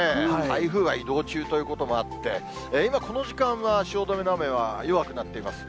台風が移動中ということもあって、今、この時間は汐留の雨は弱くなっています。